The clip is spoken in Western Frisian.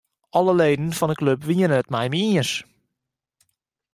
Alle leden fan 'e klup wiene it mei my iens.